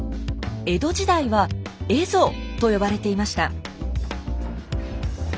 江戸時代は「蝦夷」と呼ばれていました。